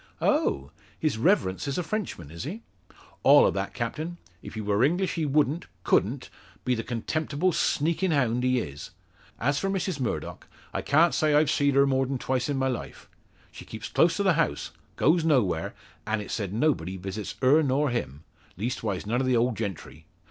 "Oh! His reverence is a Frenchman, is he?" "All o' that, captain. If he wor English, he wouldn't couldn't be the contemptible sneakin' hound he is. As for Mrs Murdock, I can't say I've seed her more'n twice in my life. She keeps close to the house; goes nowhere; an' it's said nobody visits her nor him leastwise none o' the old gentry.